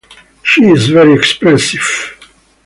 She's very expressive.